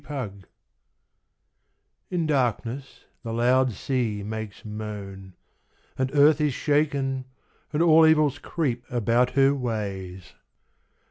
The Charm In darkness the loud sea makes moan; And earth is shaken, and all evils creep About her ways.